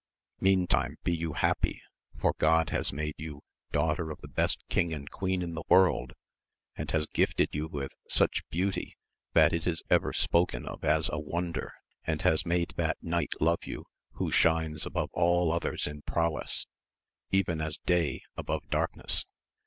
Meantime be you happy, for God has made you daughter of the best king and queen in the world, and has gifted you with such beauty that it is ever spoken of as a won der, and has made that knight love you, who shines above all others in prowess, even as day above dark ness.